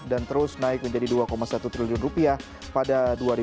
dan terus naik menjadi dua satu triliun rupiah pada dua ribu lima belas